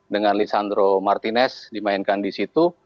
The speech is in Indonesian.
dengan lisandro martinez dimainkan di situ